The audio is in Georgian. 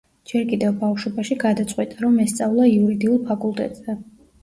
ჯერ კიდევ ბავშვობაში გადაწყვიტა რომ ესწავლა იურიდიულ ფაკულტეტზე.